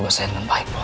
sisi rumah ini